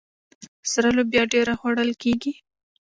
سره لوبیا ډیره خوړل کیږي.